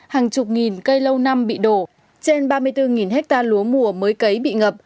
hàng chục nghìn cây lâu năm bị đổ trên ba mươi bốn hectare lúa mùa mới cấy bị ngập